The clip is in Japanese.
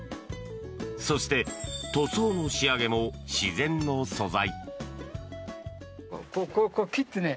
そして塗装の仕上げも自然の素材。